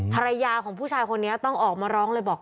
ภรรยาของผู้ชายคนนี้ต้องออกมาร้องเลยบอก